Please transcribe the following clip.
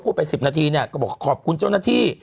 ไป๑๐นาทีเนี่ยก็บอกขอบคุณเจ้าหน้าที่